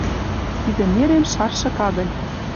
Тидӹ нерем шаршы кагыль